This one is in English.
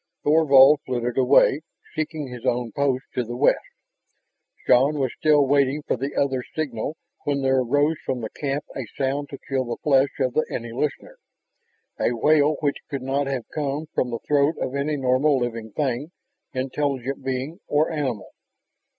Thorvald flitted away, seeking his own post to the west. Shann was still waiting for the other's signal when there arose from the camp a sound to chill the flesh of any listener, a wail which could not have come from the throat of any normal living thing, intelligent being or animal.